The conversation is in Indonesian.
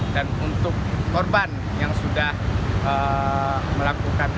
dan untuk korban yang sudah melakukan